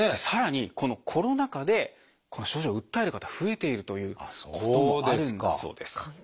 さらにこのコロナ禍でこの症状を訴える方が増えているということもあるんだそうです。